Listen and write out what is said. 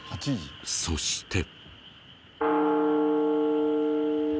そして。